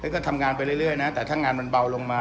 ก็ทำงานไปเรื่อยนะแต่ถ้างานมันเบาลงมา